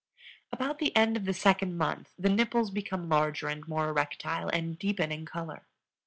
About the end of the second month the nipples become larger and more erectile, and deepen in color.